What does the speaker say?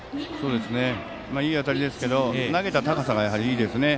いい当たりでしたけど投げた高さがいいですね。